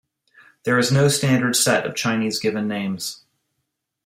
There is no standard set of Chinese given names.